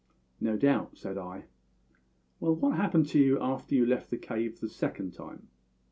"No doubt," said I. "Well, what happened to you after you left the cave the second time?"